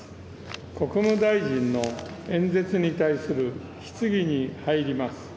国務大臣の演説に対する質疑に入ります。